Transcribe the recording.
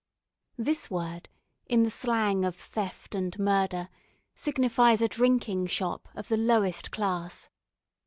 This word, in the slang of theft and murder, signifies a drinking shop of the lowest class.